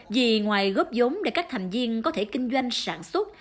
vì ngoài góp giống để các thành viên có thể kinh doanh sản xuất